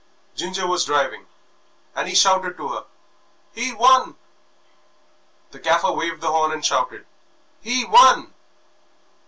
Ginger was driving, and he shouted to her, "He won!" The Gaffer waved the horn and shouted, "He won!"